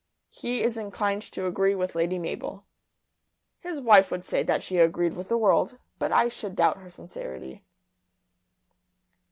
He is inclined to agree with Lady Mabel. His wife would say that she agreed with the world; but I should doubt her sincerity.